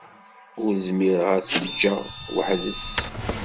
Ur zmireɣ ad t-ǧǧeɣ weḥd-s.